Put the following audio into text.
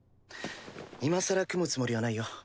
今更組むつもりはないよ。